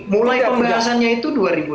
mulai pembahasannya itu dua ribu enam belas